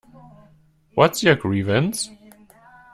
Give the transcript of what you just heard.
What’s your grievance?